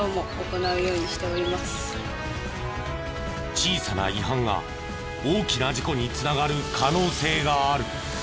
小さな違反が大きな事故に繋がる可能性がある。